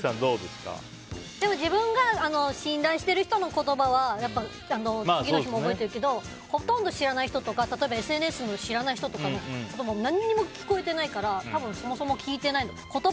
自分が信頼している人の言葉は次の日も覚えてるけどほとんど知らない人とか例えばＳＮＳとかの知らない人の声も何にも聞こえてないから多分、そもそも聞いてない。